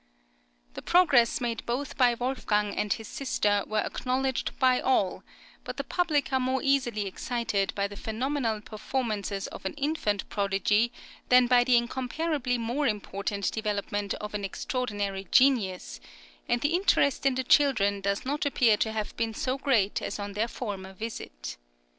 The progress made both by Wolfgang and his sister was acknowledged by all; but the public are more easily excited by the phenomenal performances of an infant prodigy than by the incomparably more important development of an extraordinary genius, and the interest in the children does not appear to have been so great as on their former visit.